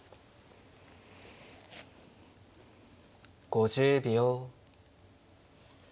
５０秒。